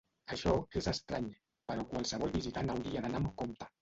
Això és estrany, però qualsevol visitant hauria d'anar amb compte.